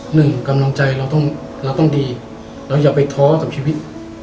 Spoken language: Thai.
หนึ่งกำลังใจเราต้องเราต้องดีเราอย่าไปท้อกับชีวิต